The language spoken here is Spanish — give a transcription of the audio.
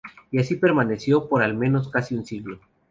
Y así permaneció por al menos casi un siglo.